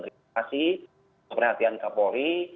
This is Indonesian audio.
terima kasih perhatian kapolri